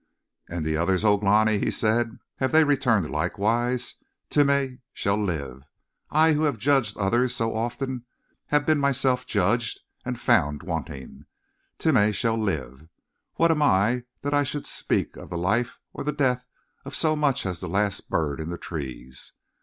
"And the others, O Glani," he said. "Have they returned likewise? Timeh shall live. I, who have judged others so often, have been myself judged and found wanting. Timeh shall live. What am I that I should speak of the life or the death of so much as the last bird in the trees?